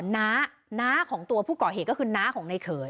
น้าน้าของตัวผู้ก่อเหตุก็คือน้าของในเขย